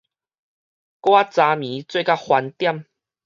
我昨暝做甲翻點